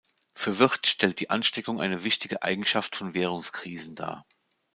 Für Wirth stellt die Ansteckung eine wichtige Eigenschaft von Währungskrisen dar.